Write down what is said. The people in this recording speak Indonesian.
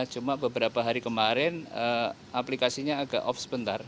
cuma beberapa hari kemarin aplikasinya agak off sebentar